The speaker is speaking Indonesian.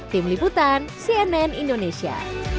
tim liputan cnn indonesia